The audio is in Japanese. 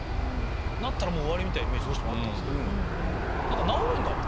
なったら終わりみたいなイメージどうしてもあったんですけど。